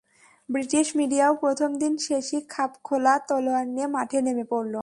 British মিডিয়াও প্রথম দিন শেষেই খাপ খোলা তলোয়ার নিয়ে মাঠে নেমে পড়ল।